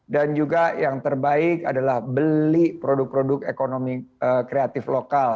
dan juga yang terbaik adalah beli produk produk ekonomi kreatif lokal